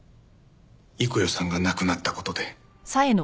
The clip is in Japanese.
幾代さんが亡くなった事で。